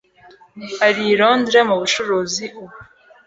ari i Londres mu bucuruzi ubu.